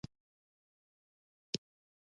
غوږونه د نصیحت اورېدلو ته اړتیا لري